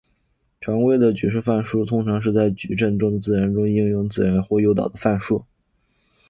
常见的矩阵范数通常是在矩阵的应用中自然定义或诱导的范数。